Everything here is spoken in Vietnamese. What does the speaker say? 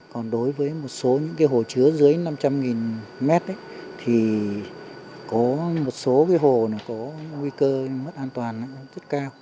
còn đối với một số những cái hồ chứa dưới năm trăm linh mét thì có một số cái hồ có nguy cơ mất an toàn rất cao